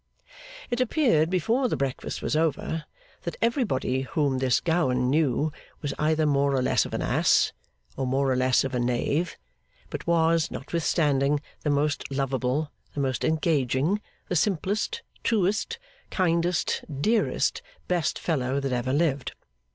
It appeared, before the breakfast was over, that everybody whom this Gowan knew was either more or less of an ass, or more or less of a knave; but was, notwithstanding, the most lovable, the most engaging, the simplest, truest, kindest, dearest, best fellow that ever lived.